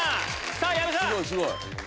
さぁ矢部さん。